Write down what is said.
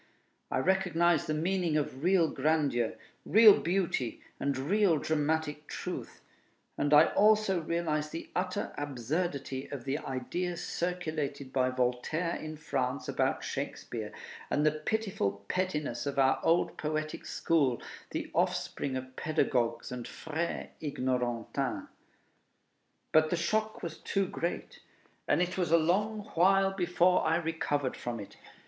I recognized the meaning of real grandeur, real beauty, and real dramatic truth; and I also realized the utter absurdity of the ideas circulated by Voltaire in France about Shakespeare, and the pitiful pettiness of our old poetic school, the offspring of pedagogues and frères ignorantins. But the shock was too great, and it was a long while before I recovered from it.